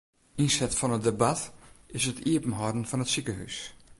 Ynset fan it debat is it iepenhâlden fan it sikehús.